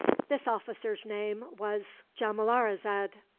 This officer's name was Jamalarrazad.